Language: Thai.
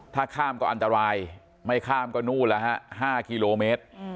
ถ้าข้ามก็อันตรายไม่ข้ามก็หนู้ล่ะครับห้ากิโลเมตร